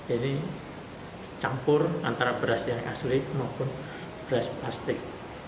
ini campur antara beras yang asli maupun beras plastik